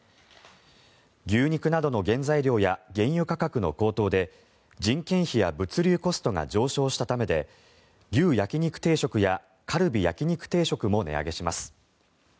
牛肉などの原材料や原油価格の高騰で人件費や物流コストが上昇したためで牛焼肉定食やカルビ焼肉定食も値上げします。